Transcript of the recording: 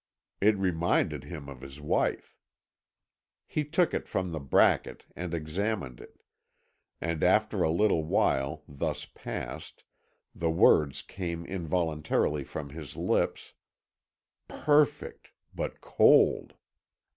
It reminded him of his wife. He took it from the bracket and examined it, and after a little while thus passed, the words came involuntarily from his lips: "Perfect but cold."